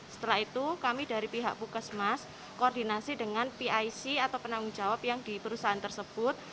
setelah itu kami dari pihak pukesmas koordinasi dengan pic atau penanggung jawab yang di perusahaan tersebut